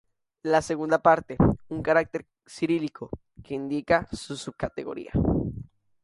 La segunda parte, un carácter cirílico, que indica su subcategoría.